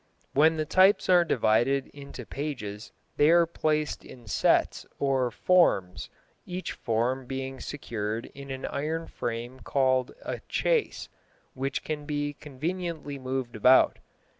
When the types are divided into pages they are placed in sets or "formes," each forme being secured in an iron frame called a "chase," which can be conveniently moved about.